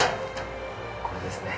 これですね。